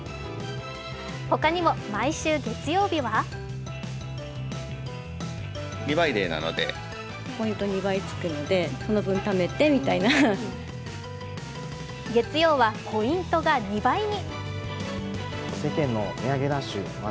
他にも毎週月曜日は月曜はポイントが２倍に。